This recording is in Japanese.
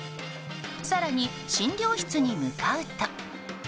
更に診療室に向かうと。